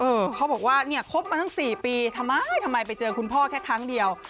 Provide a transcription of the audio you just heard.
เออเขาบอกว่าคบมาตั้ง๔ปีทำไมไปเจอคุณพ่อแค่ครั้งเดียว